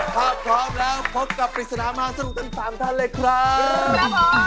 ถ้าพร้อมแล้วพบกับปริศนามหาสนุกทั้ง๓ท่านเลยครับ